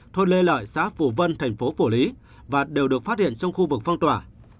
thôn lê lợi xã phổ vân thành phố phủ lý và đều được phát hiện trong khu vực phong tỏa